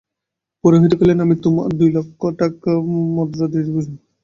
পুরোহিত কহিলেন, আমি তোমার দুই লক্ষ মুদ্রা দণ্ড করিতেছি।